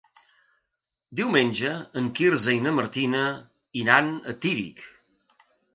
Diumenge en Quirze i na Martina iran a Tírig.